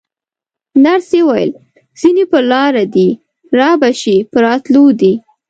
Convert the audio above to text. نرسې وویل: ځینې پر لاره دي، رابه شي، په راتلو دي.